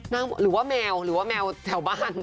หรือว่าแมวหรือว่าแมวแถวบ้าน